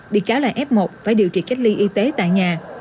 bị cáo là f một phải điều trị cách ly y tế tại nhà